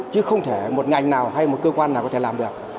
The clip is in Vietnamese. chứ không thể một ngành nào hay một cơ quan nào có thể làm được